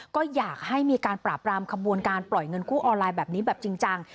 ก็อยากให้มีการปราบรามขบวนการปล่อยเงินกู้ออนไลน์แบบนี้แบบจริงจัง